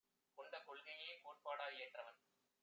கொண்ட கொள்கையே கோட்பாடாய் ஏற்றவன்